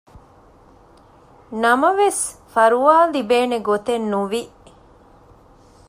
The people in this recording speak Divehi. ނަމަވެސް ފަރުވާ ލިބޭނެ ގޮތެއް ނުވި